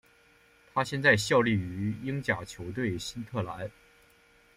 他现在效力于英甲球队新特兰。